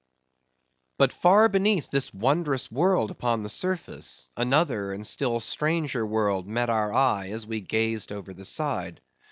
But far beneath this wondrous world upon the surface, another and still stranger world met our eyes as we gazed over the side.